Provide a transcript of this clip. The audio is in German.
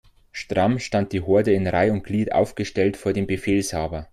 Stramm stand die Horde in Reih' und Glied aufgestellt vor dem Befehlshaber.